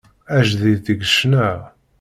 Ajdid deg ccna.